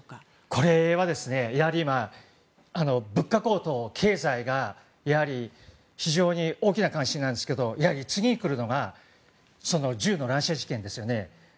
これは、やはり今物価高騰、経済が非常に大きな関心なんですけど次に来るのが銃の乱射事件ですよね。